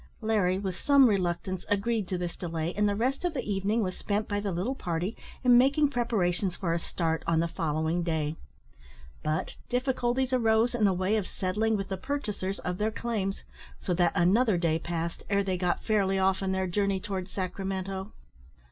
Larry, with some reluctance, agreed to this delay, and the rest of the evening was spent by the little party in making preparations for a start on the following day; but difficulties arose in the way of settling with the purchasers of their claims, so that another day passed ere they got fairly off on their journey towards Sacramento.